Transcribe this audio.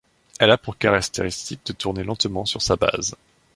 Elle a pour caractéristique de tourner lentement sur sa base.